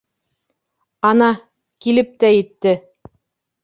Ана, килеп тә етте!